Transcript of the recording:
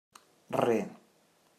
Re.